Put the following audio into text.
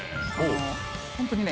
本当にね。